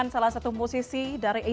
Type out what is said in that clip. sampai jumpa di jakarta